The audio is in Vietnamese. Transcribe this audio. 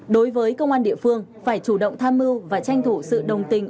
đối với công an địa phương phải chủ động tham mưu và tranh thủ sự đồng tình